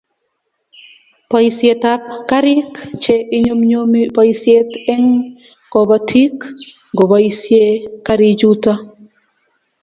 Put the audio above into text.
Boisietap garik che inyumnyumi boisiet eng kobotik ngoboisie garichuto